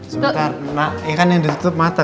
sebentar ya kan yang ditutup mata